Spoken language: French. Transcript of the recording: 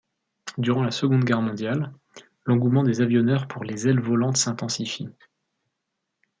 Durant la Seconde Guerre mondiale, l’engouement des avionneurs pour les ailes volantes s'intensifie.